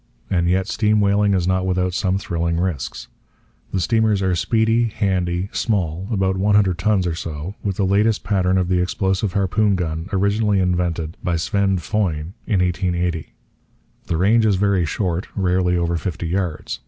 And yet steam whaling is not without some thrilling risks. The steamers are speedy, handy, small, about one hundred tons or so, with the latest pattern of the explosive harpoon gun originally invented by Sven Foyn in 1880. The range is very short, rarely over fifty yards.